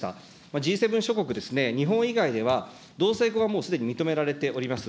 Ｇ７諸国、日本以外では、同性婚はもうすでに認められております。